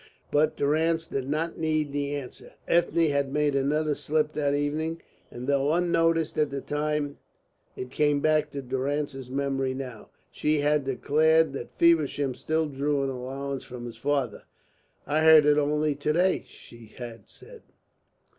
But Durrance did not need the answer. Ethne had made another slip that evening, and though unnoticed at the time, it came back to Durrance's memory now. She had declared that Feversham still drew an allowance from his father. "I heard it only to day," she had said.